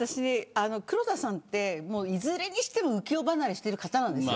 黒田さんは、いずれにしても浮世離れしている方です。